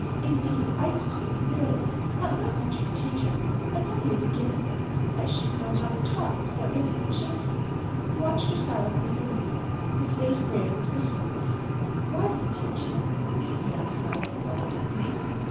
" Indeed I couldn't, really. I'm not much of a teacher. I'm only a beginner. 1 shouldn't know how to talk before any but children." He watched her silently for a minute, his face grave with wistfulness. "Why do you teach them?" he asked rather irrelevantly.